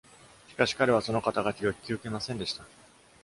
しかし、彼はその肩書きを引き受けませんでした。